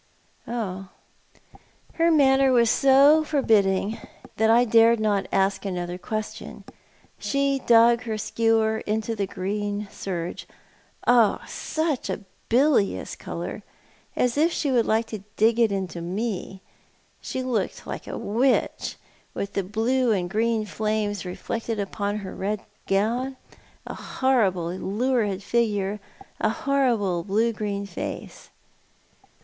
" Oh." Her manner was so forbidding that I dared not ask another question. She dug her skewer into the green serge— oh, such a bilious colour — as if she would like to dig it into me. She looked like a witch, with the blue and green flames reflected upon her red gown, a horrible lurid figure, a horrible blue green face.